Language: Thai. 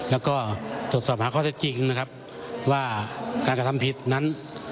แล้วก็ถดสอบหาข้อเส้นจริงว่าการกระทำผิดนั้น